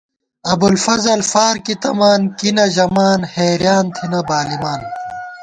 ابُوالفضل فارکی تمان کی نہ ژَمان حېریان تھنہ بالِمان